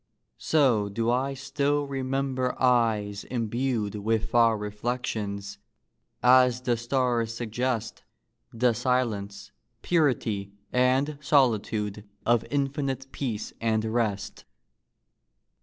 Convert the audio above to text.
So do I still remember eyes imbued With far reflections as the stars suggest The silence, purity, and solitude Of infinite peace and rest.